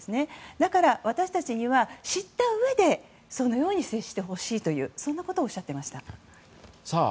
だから、私たちには知ったうえでそのように接してほしいとそんなことをおっしゃっていました。